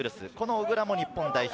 小倉も日本代表